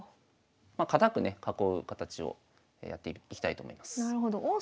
堅くね囲う形をやっていきたいと思います。